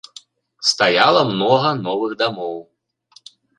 Стаяла многа новых дамоў.